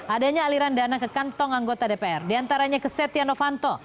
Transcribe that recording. adanya aliran dana ke kantong anggota dpr diantaranya ke setia novanto